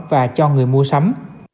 và cho người mua sắm